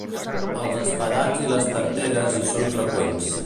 Els espadats i les tarteres hi són freqüents.